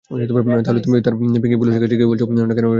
তাহলে তুমি আর পিঙ্কি পুলিশের কাছে গিয়ে বলছো না কেন ওই রাতে কী হয়েছিলো।